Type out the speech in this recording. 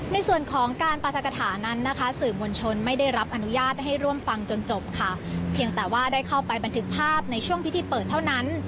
ในส่วนของการปรัฐกฐานั้นนะคะสื่อมวลชนไม่ได้รับอนุญาตให้ร่วมฟังจนจบค่ะเพียงแต่ว่าได้เข้าไปบันทึกภาพในช่วงพิธีเปิดเท่านั้น